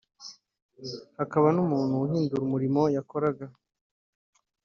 Hakaba n’umuntu uhindura umurimo yakoraga